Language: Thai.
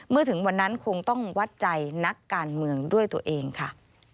ถึงวันนั้นคงต้องวัดใจนักการเมืองด้วยตัวเองค่ะ